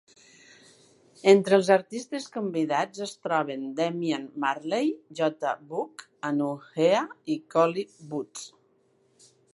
Entre els artistes convidats es troben Damian Marley, J Boog, Anuhea i Collie Buddz.